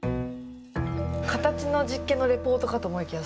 形の実験のレポートかと思いきや